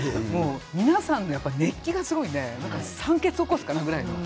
皆さんの熱気がすごいので酸欠を起こすかなぐらいの。